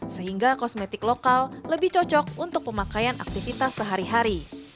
sehingga kosmetik lokal lebih cocok untuk pemakaian aktivitas sehari hari